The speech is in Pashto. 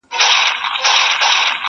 په کور کلي کي اوس ګډه واویلا وه!!